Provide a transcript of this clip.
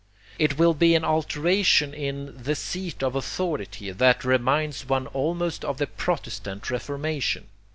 It will be an alteration in 'the seat of authority' that reminds one almost of the protestant reformation.